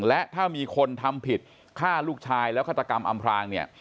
และถ้ามีคนทำผิดฆ่าลูกชายแล้วฆาตกรรมอำพลางเนี่ย